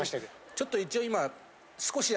ちょっと一応今。